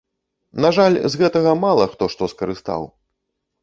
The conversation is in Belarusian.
На жаль, з гэтага мала хто што скарыстаў.